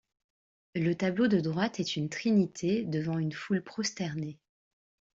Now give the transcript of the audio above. Le tableau de droite est une trinité devant une foule prosternée.